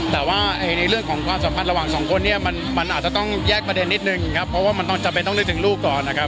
แต่ว่าในเรื่องของความสัมพันธ์ระหว่างสองคนเนี่ยมันอาจจะต้องแยกประเด็นนิดนึงครับเพราะว่ามันต้องจำเป็นต้องนึกถึงลูกก่อนนะครับ